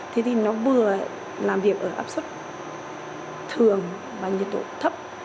thế thì nó vừa làm việc ở áp suất thường và nhiệt độ thấp